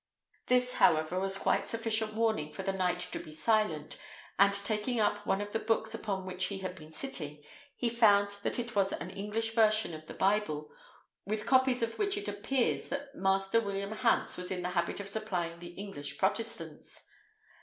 This, however, was quite sufficient warning for the knight to be silent; and taking up one of the books upon which he had been sitting, he found that it was an English version of the Bible, with copies of which it appears that Master William Hans was in the habit of supplying the English protestants.